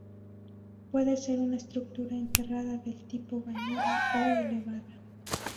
Puede ser una estructura enterrada, de tipo "bañera", o elevada.